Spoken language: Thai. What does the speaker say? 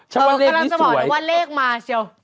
ฉันว่าเลขนี้สวยกำลังจะบอกให้ว่าเลขมาเชียว